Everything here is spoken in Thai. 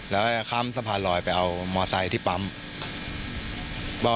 แล้วก็ข้ามสะพานลอยไปเอามอไซค์ที่ปั๊ม